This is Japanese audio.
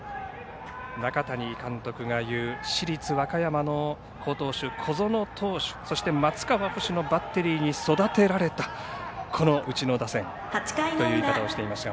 中谷監督が言う市立和歌山の好投手小園投手、そして松川捕手のバッテリーに育てられたこのうちの打線という言い方をしていました。